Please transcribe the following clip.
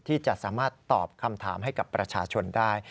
ที่จะสามารถตอบคำถามให้กับประชาชนได้